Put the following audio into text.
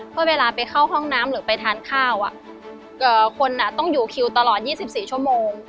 เพื่อเวลาไปเข้าห้องน้ำหรือไปทานข้าวคนต้องอยู่คิวตลอด๒๔ชั่วโมง